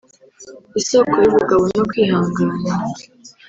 isoko y’ubugabo no kwihangana